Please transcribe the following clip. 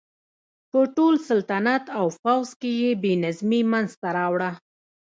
په ټول سلطنت او پوځ کې یې بې نظمي منځته راوړه.